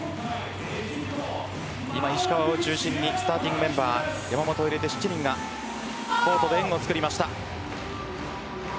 今、石川を中心にスターティングメンバー山本を入れて７人がコートで円を作りました。